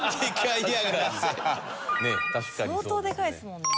相当でかいですもんね。